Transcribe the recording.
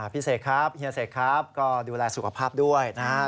พี่เสกครับเฮียเสกครับก็ดูแลสุขภาพด้วยนะครับ